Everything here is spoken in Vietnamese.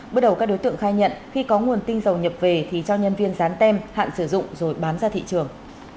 bước đầu các đối tượng khai nhận khi có nguồn tinh dầu nhập về thì cho nhân viên dán tem hạn sử dụng rồi bán ra thị trường